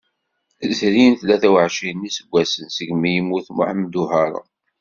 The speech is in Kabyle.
Zrin tlata uɛecrin n yiseggasen segmi yemmut Muḥemmed Uharun.